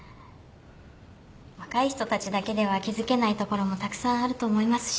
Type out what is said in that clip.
若い人たちだけでは気付けないところもたくさんあると思いますし。